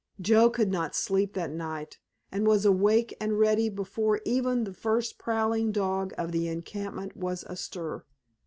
Joe could not sleep that night, and was awake and ready before even the first prowling dog of the encampment was astir.